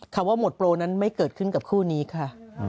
คำว่าหมดโปรนั้นไม่เกิดขึ้นกับคู่นี้ค่ะ